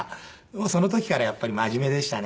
もうその時からやっぱり真面目でしたね。